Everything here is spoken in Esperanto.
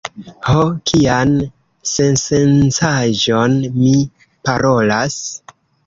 Ho, kian sensencaĵon mi parolas!